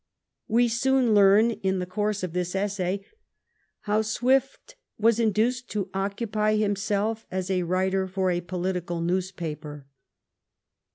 We soon learn in the course of this essay how Swift was induced to occupy himself as a writer for a political newspaper.